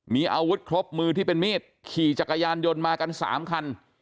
มีอาวุธครบมือที่เป็นมีดขี่จักรยานยนต์มากัน๓คัน